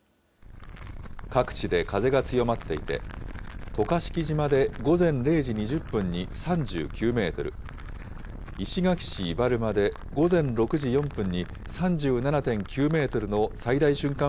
各地で風が強まっていて、渡嘉敷島で午前０時２０分に３９メートル、石垣市伊原間で午前６時４分に３７．９メートルの最大瞬間